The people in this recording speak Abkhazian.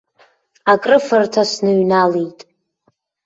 Акрыфарҭа сныҩналеит.